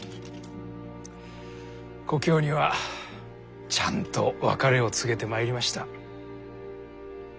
故郷にはちゃんと別れを告げてまいりました。